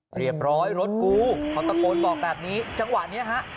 เรียบร้อยรถกูเขาตะโกนบอกแบบนี้จังหวะนี้ฮะ